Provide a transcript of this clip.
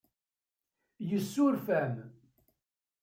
Yessuref-am.